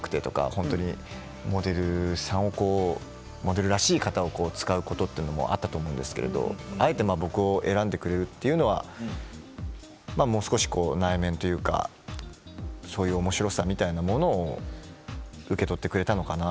本当にモデルさんをモデルらしい方を使うことというのもあったと思うんですけどあえて僕を選んでくれるというのはもう少し内面というかそういうおもしろさみたいなものを受け取ってくれたのかな